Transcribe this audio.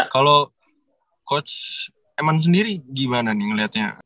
kalau coach emman sendiri gimana nih ngelihatnya